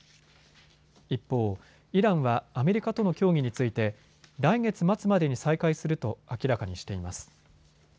一方、イランはアメリカとの協議について来月末までに再開すると明らかにしています。